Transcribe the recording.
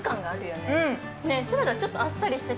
ねっ